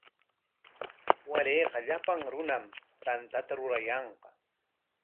Warayqa llapan runam tantata rurayanqa.